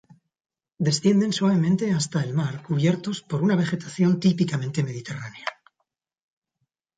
Descienden suavemente hasta el mar, cubiertos por una vegetación típicamente mediterránea.